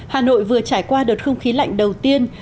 hà nội vừa trải qua đợt không khí lạnh đầu tiên